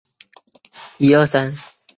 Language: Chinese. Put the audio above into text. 标准纸袋是由牛皮纸制成的。